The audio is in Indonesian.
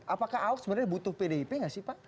apakah ahok sebenarnya butuh pdip nggak sih pak